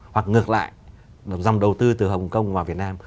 hoặc ngược lại dòng đầu tư từ hồng kông vào việt nam